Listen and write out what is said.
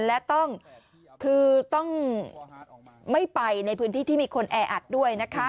และต้องไม่ไปในพื้นที่ที่มีคนแออัดด้วย